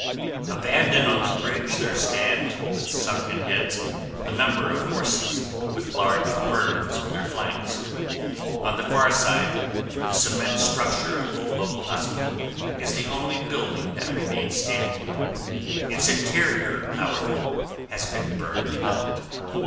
Abandoned on the bridge, there stand with sunken heads a number of horses with large burns on their flanks. On the far side, the cement structure of the local hospital is the only building that remains standing. Its interior, however, has been burned out.